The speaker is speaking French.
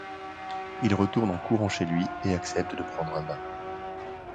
Il retourne en courant chez lui et accepte de prendre un bain.